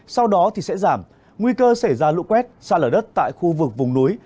sau đó thì sẽ giảm nguy cơ xảy ra lũ quét xa lở đất tại khu vực vùng núi